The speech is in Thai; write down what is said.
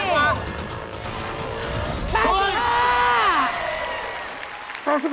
แพงกว่า